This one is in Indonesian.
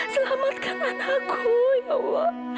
selamatkan anakku ya allah